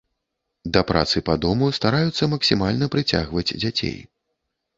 Да працы па дому стараюцца максімальна прыцягваць дзяцей.